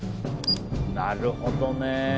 なるほどね。